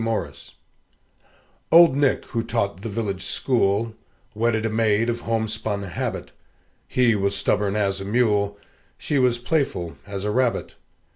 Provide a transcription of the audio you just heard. MORRIS Old Nick, who taught the village school, Wedded a maid of homespun habit; He was stubborn as a mule, She was playful as a rabbit.